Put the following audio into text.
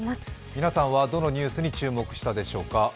皆さんはどのニュースに注目したでしょうか。